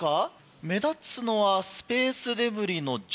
目立つのはスペースデブリの除去。